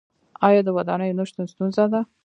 آیا د ودانیو نشتون ستونزه ده؟